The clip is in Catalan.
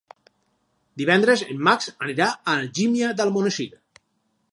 Divendres en Max anirà a Algímia d'Almonesir.